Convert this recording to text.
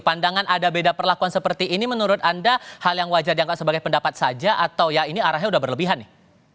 pandangan ada beda perlakuan seperti ini menurut anda hal yang wajar dianggap sebagai pendapat saja atau ya ini arahnya sudah berlebihan nih